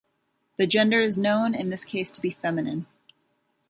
The gender is known in this case to be feminine.